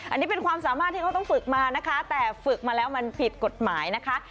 อันนี้เป็นความสามารถที่เขาต้องฝึกมานะคะแต่ฝึกมาแล้วมันผิดกฎหมายนะคะ